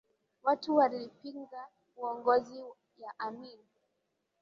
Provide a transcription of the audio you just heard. Watu walipinga uongozi ya Amin